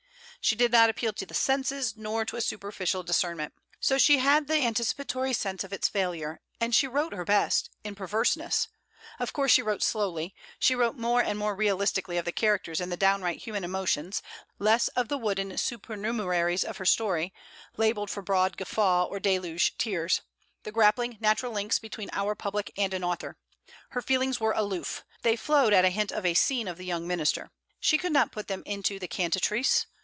She did not appeal to the senses nor to a superficial discernment. So she had the anticipatory sense of its failure; and she wrote her best, in perverseness; of course she wrote slowly; she wrote more and more realistically of the characters and the downright human emotions, less of the wooden supernumeraries of her story, labelled for broad guffaw or deluge tears the grappling natural links between our public and an author. Her feelings were aloof. They flowed at a hint of a scene of THE YOUNG MINISTER. She could not put them into THE CANTATRICE.